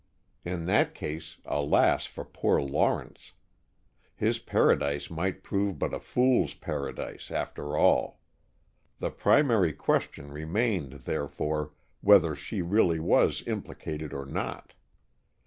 In that case, alas for poor Lawrence! His paradise might prove but a Fool's Paradise, after all. The primary question remained, therefore, whether she really was implicated or not.